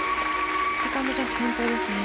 セカンドジャンプ転倒ですね。